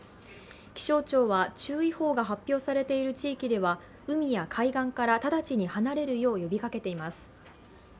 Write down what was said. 気象庁は注意報が発表されている地域では海や海岸から直ちに離れるよう呼びかけています。